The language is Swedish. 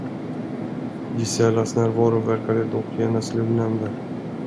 Giselas närvaro verkade dock genast lugnande.